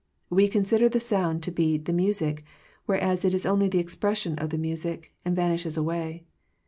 We consider the sound to be the music, whereas it is only the expression of the music, and vanishes away.